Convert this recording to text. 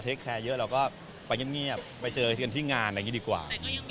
แต่ก็ยังมีไปรับบ้างนิดหน่อย